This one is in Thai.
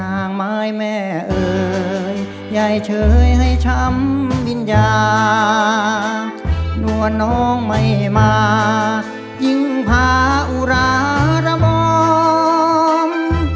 อ้างไม้แม่เอ่ยยายเฉยให้ช้ำวิญญาณวนน้องไม่มายิ่งพาอุระบอม